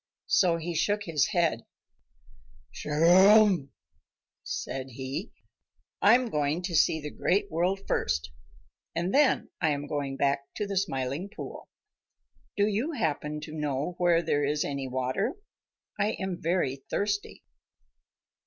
So he shook his head. "Chugarum!" said he, "I am going to see the Great World first, and then I am going back to the Smiling Pool. Do you happen to know where there is any water? I am very thirsty."